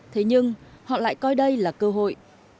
thế nhưng họ lại coi đây là cơ hội